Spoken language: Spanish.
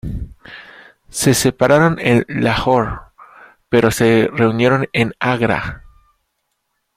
Se separaron en Lahore, pero se reunieron en Agra.